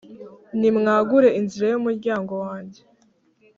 nimwagure inzira y’umuryango wanjye.